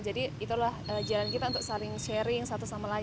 jadi itulah jalan kita untuk saling sharing satu sama lain